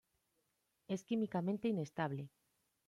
Es químicamente inestable.